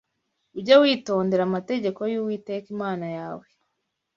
Ujye witondera amategeko y’Uwiteka Imana yawe